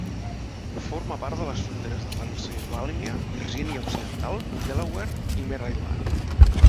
Forma part de les fronteres de Pennsilvània, Virgínia Occidental, Delaware i Maryland.